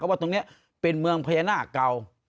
ก็ว่าเป็นมืองเพรยาะนาคเก่า